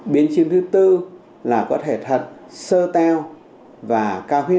biến chứng thứ tư là có thể thận sơ teo và cao huyết áp